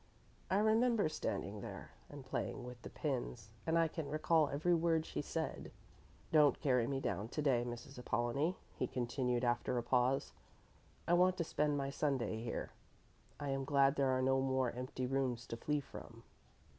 I remember standing there and playing with the pins, and I can recall every word she said. Don't carry me down to day, Mrs. Apollonie," he continued after a pause, "I want to spend my Sunday here. I am glad there are no more empty rooms to flee from."